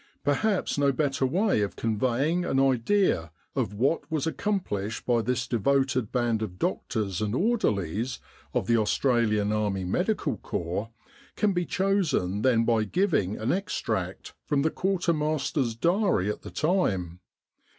Perhaps no better way of conveying an idea of what was accomplished by this devoted band of doctors and orderlies of the Aus tralian Army Medical Corps can be chosen than by giving an extract from the quartermaster's diary at the time.